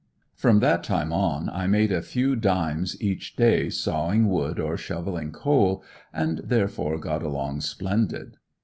From that time on I made a few dimes each day sawing wood or shoveling coal and therefore got along splendid.